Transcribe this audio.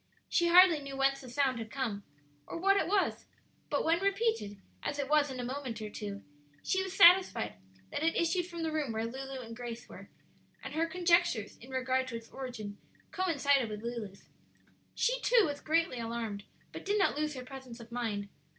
She hardly knew whence the sound had come, or what it was; but when repeated, as it was in a moment or two, she was satisfied that it issued from the room where Lulu and Grace were, and her conjectures in regard to its origin coincided with Lulu's. She, too, was greatly alarmed, but did not lose her presence of mind.